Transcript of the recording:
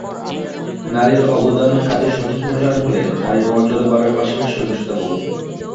নারীর অবদান, কাজের সঠিক মূল্যায়ন হলে নারীর মর্যাদা বাড়ার পাশাপাশি সহিংসতা কমবে।